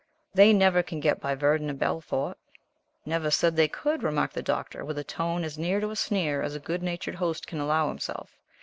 "They never can get by Verdun and Belfort." "Never said they could," remarked the Doctor, with a tone as near to a sneer as a good natured host can allow himself.